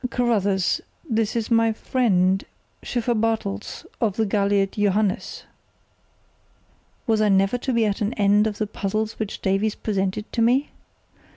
Carruthers, this is my friend, Schiffer Bartels, of the galliot Johannes." Was I never to be at an end of the puzzles which Davies presented to me?